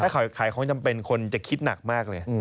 ถ้าขายของจำเป็นคนจะคิดหนักมากเลย